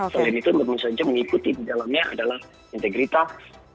selain itu tentu saja mengikuti di dalamnya adalah integritas